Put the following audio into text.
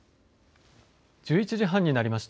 １１時半になりました。